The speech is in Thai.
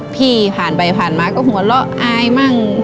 พี่ผ่านไปผ่านมาก็หัวเราะอายมั่ง